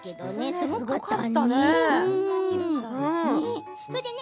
すごかったね。